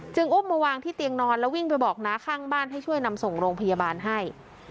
อุ้มมาวางที่เตียงนอนแล้ววิ่งไปบอกน้าข้างบ้านให้ช่วยนำส่งโรงพยาบาลให้